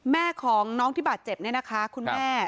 แม่ของน้องที่บาดเจ็บเนี่ยนะคะคุณแม่